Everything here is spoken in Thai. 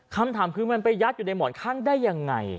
คำถามคือมันไปยัดอยู่ในหมอนข้างได้ยังไง